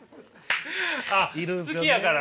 あっ好きやから。